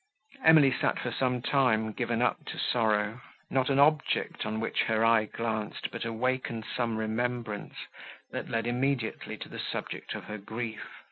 Emily sat for some time, given up to sorrow. Not an object, on which her eye glanced, but awakened some remembrance, that led immediately to the subject of her grief.